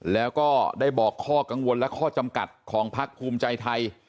แล้วก็ได้บอกข้อกังวลและข้อจำกัดของพักภูมิใจไทย